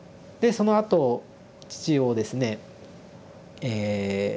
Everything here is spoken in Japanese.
そのあと父をですねえ